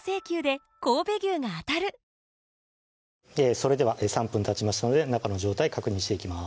それでは３分たちましたので中の状態確認していきます